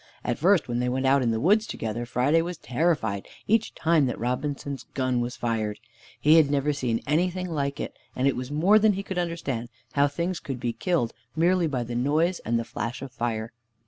At first when they went out in the woods together, Friday was terrified each time that Robinson's gun was fired. He had never seen anything like it, and it was more than he could understand how things could be killed merely by the noise and the flash of fire.